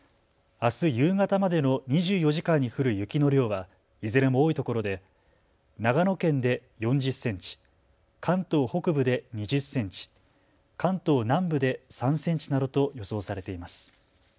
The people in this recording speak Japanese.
あす夕方までの２４時間に降る雪の量はいずれも多いところで長野県で４０センチ、関東北部で２０センチ、関東南部で３センチなどと予想されています。